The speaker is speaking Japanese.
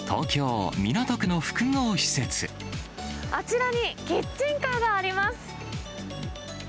あちらにキッチンカーがあり